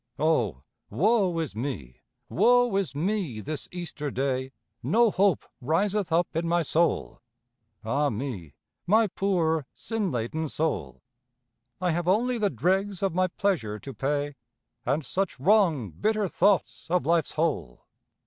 Oh, woe is me, woe is me, this Easter day! No hope riseth up in my soul. (Ah me, my poor sin laden soul!) I have only the dregs of my pleasure to pay, And such wrong, bitter thoughts of life's whole.